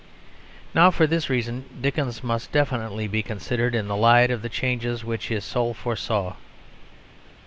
Now for this reason Dickens must definitely be considered in the light of the changes which his soul foresaw.